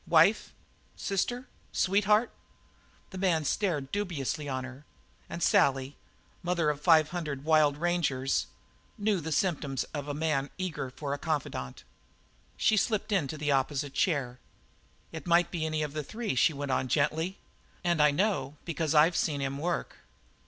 "Wife sister sweetheart?" The man stared dubiously on her, and Sally, mother to five hundred wild rangers, knew the symptoms of a man eager for a confidant. She slipped into the opposite chair. "It might be any of the three," she went on gently, "and I know because I've seen him work."